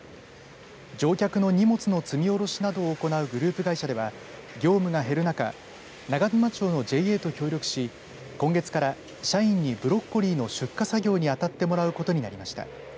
乗客の荷物の積み降ろしなどを行うグループ会社では業務が減る中長沼町のＪＡと協力し今月から社員にブロッコリーの出荷作業にあたってもらうことになりました。